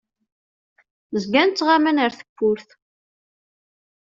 Zgan ttɣaman ar tewwurt.